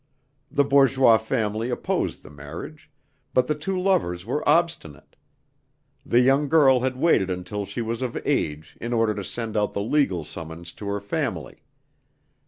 The bourgeois family opposed the marriage; but the two lovers were obstinate; the young girl had waited until she was of age in order to send out the legal summons to her family.